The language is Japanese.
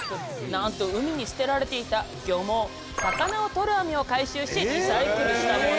なんと海に捨てられていた漁網魚をとる網を回収しリサイクルしたもの！